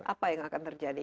apa yang akan terjadi